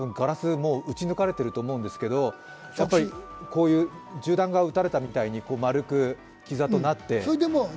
もう打ち抜かれていると思うんですが銃弾が撃たれたみたいに丸く傷跡になって。